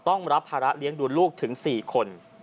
ต้องรับภาระเลี้ยงดูลูกถึง๔คน